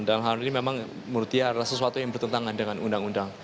dan hal ini memang menurut dia adalah sesuatu yang bertentangan dengan undang undang